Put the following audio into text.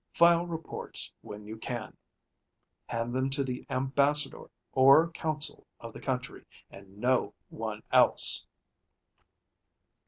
File reports when you can. Hand them to the ambassador or consul of the country and no one else."